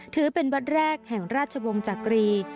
ถือเป็นวัดแรกแห่งราชวงศ์จักรี